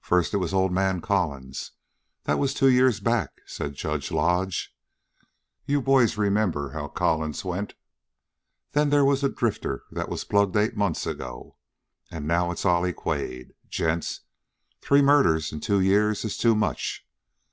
"First it was old man Collins. That was two years back," said Judge Lodge. "You boys remember how Collins went. Then there was the drifter that was plugged eight months ago. And now it's Ollie Quade. Gents, three murders in two years is too much.